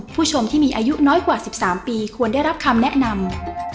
ผู้ชมที่มีอายุน้อยกว่า๑๓ปีควรได้รับคำแนะนำ